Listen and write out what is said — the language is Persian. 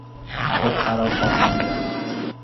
خود تراکافنده